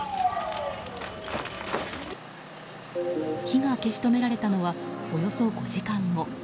火が消し止められたのはおよそ５時間後。